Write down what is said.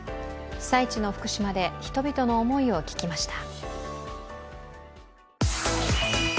被災地の福島で人々の思いを聞きました。